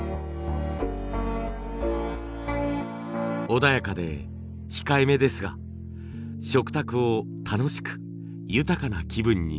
穏やかで控えめですが食卓を楽しく豊かな気分にしてくれます。